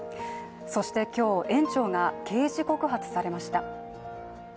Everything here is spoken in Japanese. そして今日、園長が刑事告発されました。